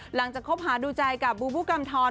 หลังจากคบหาดูใจกับบูบูกำธร